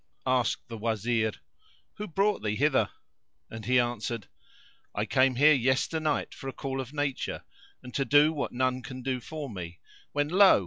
Asked the Wazir, "Who brought thee hither?"; and he answered "I came here yesternight for a call of nature and to do what none can do for me, when lo!